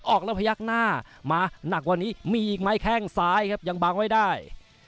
ออกแล้วพยักหน้ามาหนักกว่านี้มีอีกไหมแข้งซ้ายครับยังบังไว้ได้